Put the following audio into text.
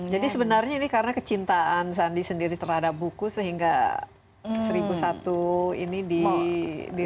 sebenarnya ini karena kecintaan sandi sendiri terhadap buku sehingga seribu satu ini di